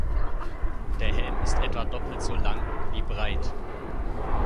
Der Helm ist etwa doppelt so lang wie breit.